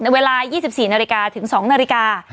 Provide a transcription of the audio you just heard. เวลา๒๔นาฬิกาถึง๒นาฬิกา